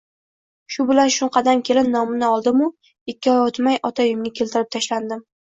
Shu bilan shumqadam kelin nomini oldimu, ikki oy o'tmay ota uyimga keltirib tashlandim…